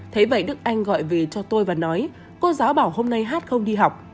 thế vậy đức anh gọi về cho tôi và nói cô giáo bảo hôm nay hát không đi học